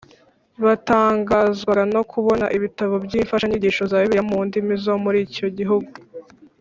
batangazwaga no kubona ibitabo by imfashanyigisho za Bibiliya mu ndimi zo muri icyo gihugu